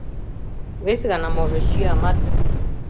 — Вес гана, можыч, йӱамат...